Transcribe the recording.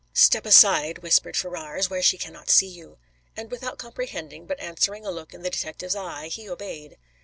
"Step aside," whispered Ferrars, "where she cannot see you." And without comprehending but answering a look in the detective's eye, he obeyed.